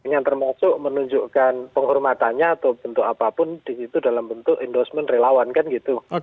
yang termasuk menunjukkan penghormatannya atau bentuk apapun disitu dalam bentuk endorsement relawan kan gitu